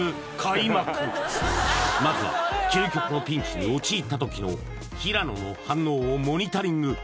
まずは究極のピンチに陥った時の平野の反応をモニタリング！